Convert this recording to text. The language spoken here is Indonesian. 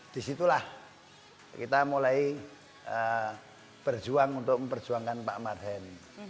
disitulah kita mulai berjuang untuk memperjuangkan pak marhen